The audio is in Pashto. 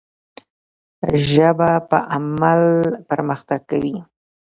ژبه په عمل پرمختګ کوي.